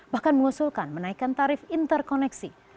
bahkan mengusulkan menaikkan tarif interkoneksi